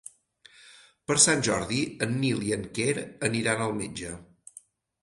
Per Sant Jordi en Nil i en Quer aniran al metge.